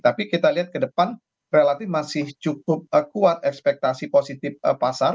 tapi kita lihat ke depan relatif masih cukup kuat ekspektasi positif pasar